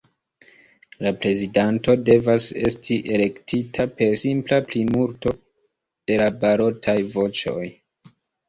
La prezidanto devas esti elektita per simpla plimulto de la balotaj voĉoj.